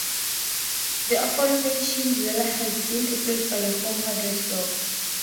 The aforementioned Zellers has been replaced by a Home Hardware store.